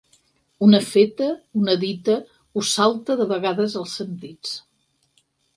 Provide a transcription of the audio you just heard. Una feta, una dita, us salta de vegades als sentits.